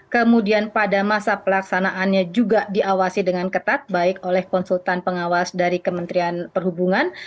kemudian pada masa pelaksanaannya juga diawasi dengan ketat baik oleh konsultan pengawas dari kementerian perhubungan